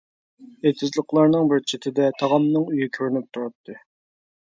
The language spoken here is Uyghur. ئېتىزلىقلارنىڭ بىر چېتىدە تاغامنىڭ ئۆيى كۆرۈنۈپ تۇراتتى.